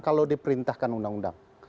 kalau diperintahkan undang undang